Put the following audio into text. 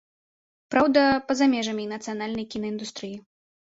Праўда, па-за межамі нацыянальнай кінаіндустрыі.